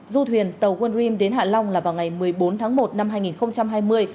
du thuyền tàu worldream đến hạ long là vào ngày một mươi bốn tháng một năm hai nghìn hai mươi